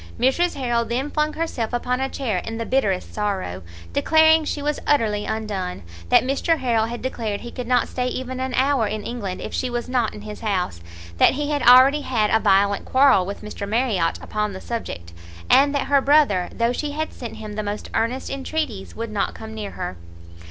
Mrs Harrel then flung herself upon a chair in the bitterest sorrow, declaring she was utterly undone; that Mr Harrel had declared he could not stay even an hour in England if she was not in his house; that he had already had a violent quarrel with Mr Marriot upon the subject; and that her brother, though she had sent him the most earnest entreaties, would not come near her.